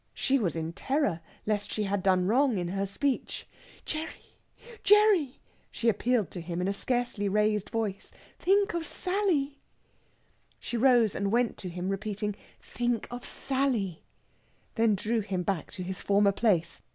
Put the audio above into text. She was in terror lest she had done wrong in her speech. "Gerry, Gerry!" she appealed to him in a scarcely raised voice, "think of Sally!" She rose and went to him, repeating, "Think of Sally!" then drew him back to his former place.